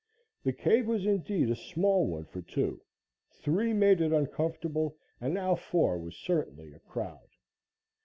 The cave was indeed a small one for two, three made it uncomfortable, and now four was certainly a crowd.